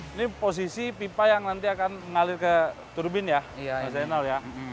ini posisi pipa yang nanti akan mengalir ke turbin ya mas zainal ya